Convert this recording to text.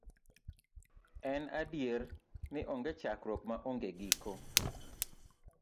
En adier ni onge chakruok ma onge giko.